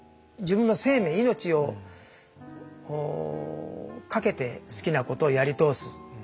自分の生命命をかけて好きなことをやり通す